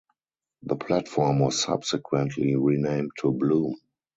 The platform was subsequently renamed to Bloom.